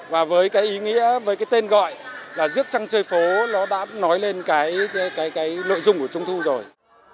và với cái ý nghĩa với cái tên gọi là rước trang chơi phố nó đã nói lên cái lợi dụng của trung thu rồi